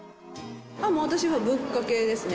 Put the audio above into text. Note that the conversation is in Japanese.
私はぶっかけですね。